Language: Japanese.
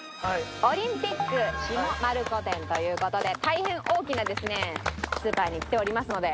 Ｏｌｙｍｐｉｃ下丸子店という事で大変大きなですねスーパーに来ておりますので。